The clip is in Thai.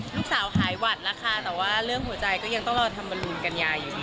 ลูกสาวหายหวัดแล้วค่ะแต่ว่าเรื่องหัวใจก็ยังต้องรอธรรมรุนกัญญาอยู่ดี